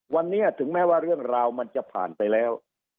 วันนี้ถึงแม้ว่าเรื่องราวมันจะผ่านไปแล้ว